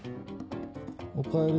おかえり。